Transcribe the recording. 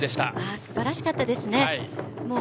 素晴らしかったですね。